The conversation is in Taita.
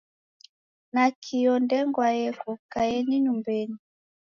Nakio ndengwa yeko, kaiyenyi nyumbenyi